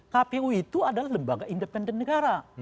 kpu itu adalah lembaga independen negara